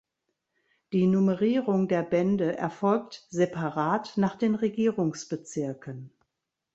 Die Nummerierung der Bände erfolgt separat nach den Regierungsbezirken.